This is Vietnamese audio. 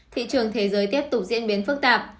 thị trường thế giới tiếp tục diễn biến phức tạp